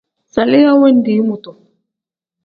Zaliya wendii mutu.